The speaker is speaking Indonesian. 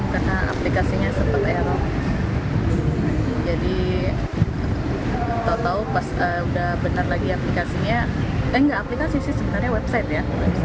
karena aplikasinya sempat error jadi tau tau pas udah benar lagi aplikasinya eh enggak aplikasi sih sebenarnya website ya